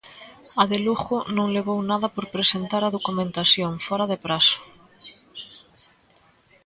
A de Lugo non levou nada por presentar a documentación fóra de prazo.